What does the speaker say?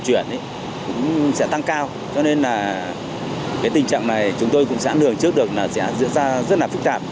cũng sẽ tăng cao cho nên là cái tình trạng này chúng tôi cũng giãn đường trước được là sẽ diễn ra rất là phức tạp